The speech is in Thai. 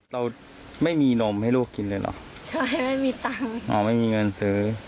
เราไม่มีนมให้ลูกกินเลยเหรอใช่ไม่มีตังค์อ๋อไม่มีเงินซื้อ